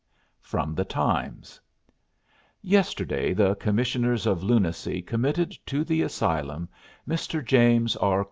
FROM "THE TIMES" "Yesterday the Commissioners of Lunacy committed to the asylum Mr. James R.